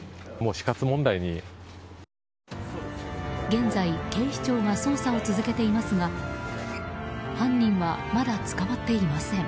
現在、警視庁が捜査を続けていますが犯人はまだ捕まっていません。